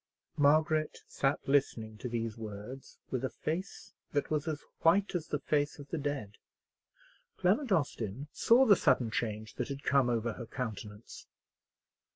Margaret sat listening to these words with a face that was as white as the face of the dead. Clement Austin saw the sudden change that had come over her countenance.